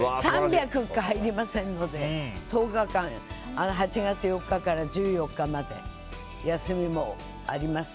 ３００しか入りませんので１０日間、８月４日から１４日まで、休みもあります。